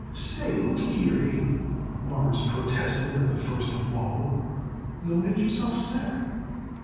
"Say, lookyhere, Abe," Morris protested at the first lull, "you'll make yourself sick."